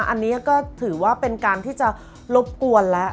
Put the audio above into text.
อันนี้ก็ถือว่าเป็นการที่จะรบกวนแล้ว